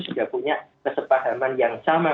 sudah punya kesepahaman yang sama